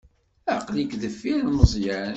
Aql-ik deffir n Meẓyan.